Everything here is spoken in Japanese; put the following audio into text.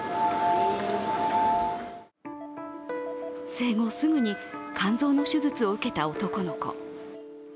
生後すぐに肝臓の手術を受けた男の子。